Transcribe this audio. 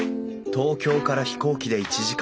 東京から飛行機で１時間。